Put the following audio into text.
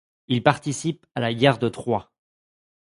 Il participe à la guerre de Troie.